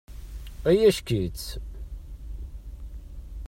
Ay ack-itt!